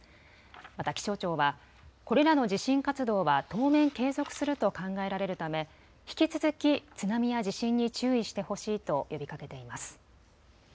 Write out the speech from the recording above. また気象庁はこれらの地震活動は当面、継続すると考えられるため引き続き津波や地震に注意してほしいと呼びかけています。